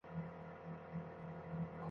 ওর দায়িত্ব তোমার নয়।